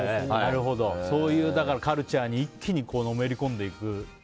そういうカルチャーに一気にのめり込んでいく。